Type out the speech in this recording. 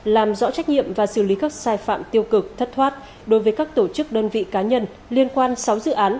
làm rõ trách nhiệm và xử lý các sai phạm tiêu cực thất thoát đối với các tổ chức đơn vị cá nhân liên quan sáu dự án